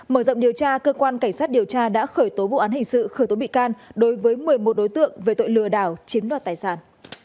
mở rộng điều tra cơ quan cảnh sát điều tra đã khởi tố vụ án hình sự khởi tố bị can đối với một mươi một đối tượng về tội lừa đảo chiếm đoạt tài sản